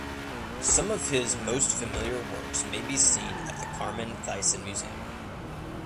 Some of his most familiar works may be seen at the Carmen Thyssen Museum.